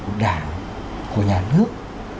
của đảng của nhà nước